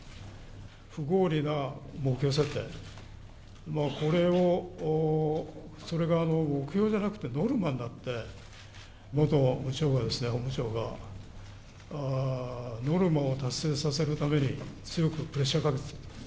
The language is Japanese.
不合理な目標設定、これを、それが目標じゃなくてノルマになって、元部長がですね、本部長が、ノルマを達成させるために強くプレッシャーをかけてた。